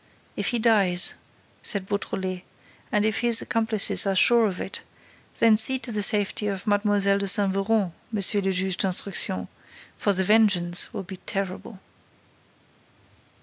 "If he dies," said Beautrelet, "and if his accomplices are sure of it, then see to the safety of Mlle. de Saint Véran. Monsieur le Juge d'Instruction, for the vengeance will be terrible."